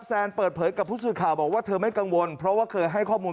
แซนเปิดเผยกับผู้สื่อข่าวบอกว่าเธอไม่กังวลเพราะว่าเคยให้ข้อมูล